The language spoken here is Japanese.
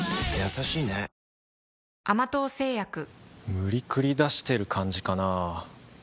無理くり出してる感じかなぁ